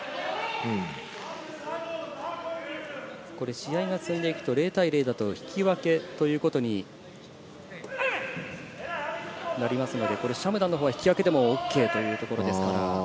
試合が進んでいくと０対０は引き分けということになりますのでシャムダンのほうは引き分けでもＯＫというところですか。